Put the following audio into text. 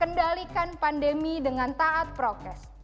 kendalikan pandemi dengan taat prokes